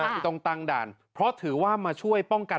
ที่ต้องตั้งด่านเพราะถือว่ามาช่วยป้องกัน